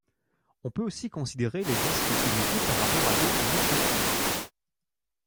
On peut aussi considérer les disques unités par rapport à d'autres métriques.